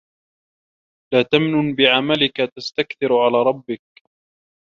لَا تَمْنُنْ بِعَمَلِك تَسْتَكْثِرْ عَلَى رَبِّك